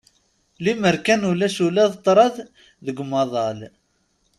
Lemmer kan ulac ula d ṭṭraḍ deg umaḍal.